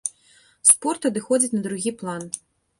Спорт адыходзіць на другі план.